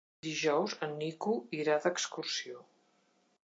Dijous en Nico irà d'excursió.